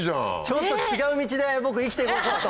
ちょっと違う道で僕生きていこうかと。